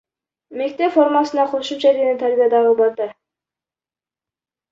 Мектеп формасына кошумча дене тарбия дагы бар да.